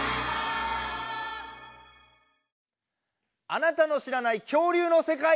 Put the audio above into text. あなたの知らない恐竜の世界！